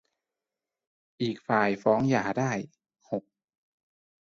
อีกฝ่ายหนึ่งฟ้องหย่าได้ หก